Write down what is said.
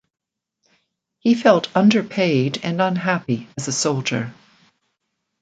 He felt underpaid and unhappy as a soldier.